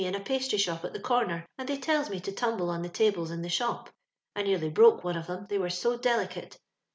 603 pastry shop at the comer, and thej tells me to tumble on the tables in the shop. I nearly broke one of 'em, they were so delicate.